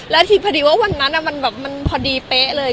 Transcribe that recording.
แล้วทีพอดีว่าวันนั้นมันแบบมันพอดีเป๊ะเลย